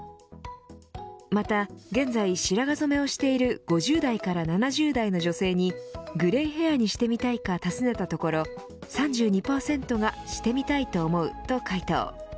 また、現在白髪染めをしている５０代から７０代の女性にグレイヘアにしてみたいか尋ねたところ３２％がしてみたいと思うと回答。